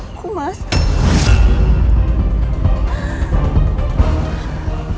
kau selingkuh di belakang aku